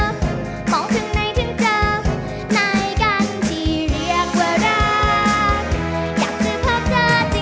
มองถึงในถึงเจอ